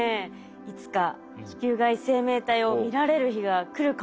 いつか地球外生命体を見られる日が来るかもしれないですね。